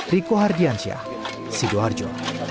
riko hardiansyah sidoarjo